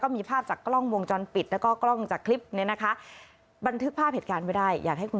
มันยิงกันอ่ะมันมีพื้นใช่มั้ย